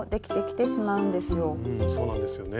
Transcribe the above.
うんそうなんですよね。